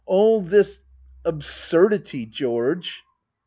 ] All this— absurdity — Georare.